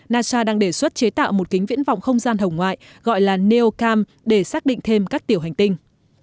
nasa đang đề xuất chế tạo một kính viễn vọng không gian hồng ngoại gọi là neo cam để xác định thêm các tiểu hành tinh